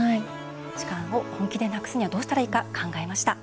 痴漢を本気でなくすにはどうしたらいいか考えました。